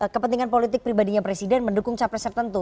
kepentingan politik pribadinya presiden mendukung capreser tentu